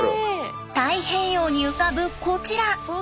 太平洋に浮かぶこちら。